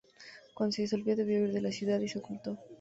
Cuando se disolvió debió huir de la ciudad y se ocultó.